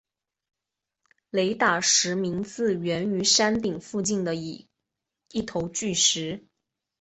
雷打石名字源于山顶附近的一头巨石。